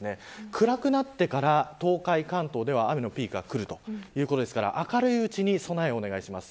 暗くなってから、東海、関東では雨のピークがくるということですから明るいうちに備えをお願いします。